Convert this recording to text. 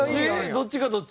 どっちがどっち？